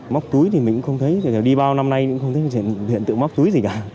móc túi thì mình cũng không thấy đi bao năm nay cũng không thấy diễn viện tự móc túi gì cả